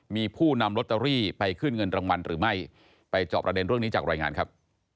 มีผู้นำลอตเตอรี่ไปขึ้นเงินรางวัลหรือไม่ไปจอบประเด็นเรื่องนี้จากรายงานครับ